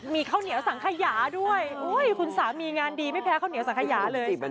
มีข้าวเหนียวสังขยาด้วยคุณสามีงานดีไม่แพ้ข้าวเหนียวสังขยาเลย